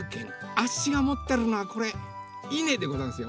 あっしがもってるのはこれいねでござんすよ！